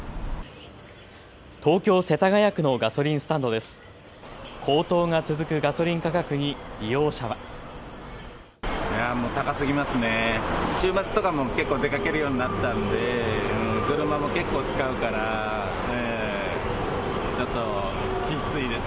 東京世田谷区のガソリンスタンドです。